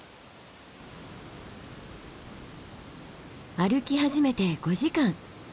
歩き始めて５時間。